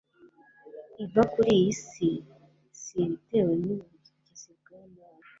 iva kuri iyi si bitewe nubugizi bwa nabi